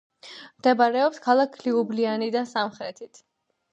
მდებარეობს ქალაქ ლიუბლიანიდან სამხრეთით.